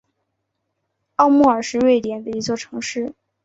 奥莫尔是瑞典的一座城市。